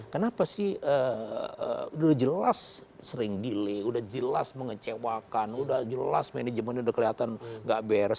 kenapa sih sudah jelas sering delay sudah jelas mengecewakan sudah jelas manajemen sudah kelihatan tidak beres